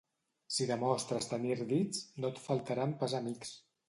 Si demostres tenir ardits, no et faltaran pas amics.